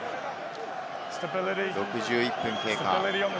６１分経過。